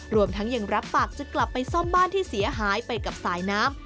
รวมทั้งยังรับปากจะกลับไปซ่อมบ้านที่เสียหายไปกับสายน้ำ